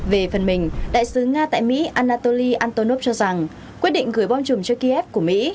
về phần mình đại sứ nga tại mỹ anatoly antonov cho rằng quyết định gửi bom chùm cho kiev của mỹ